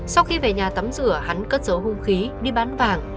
sau khi về nhà tắm rửa hắn cất dấu hung khí đi bán vàng